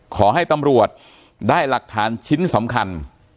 ขอให้ตำรวจได้หลักฐานชิ้นสำคัญ